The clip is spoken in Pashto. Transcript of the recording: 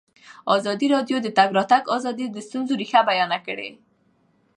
ازادي راډیو د د تګ راتګ ازادي د ستونزو رېښه بیان کړې.